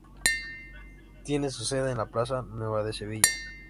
Tiene su sede en la Plaza Nueva de Sevilla.